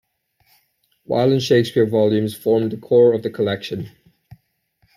Wieland's Shakespeare volumes formed the core of the collection.